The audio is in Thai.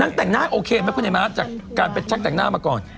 นางแต่งหน้าโอเคไหมครับจากการไปชักแต่งหน้ามาก่อน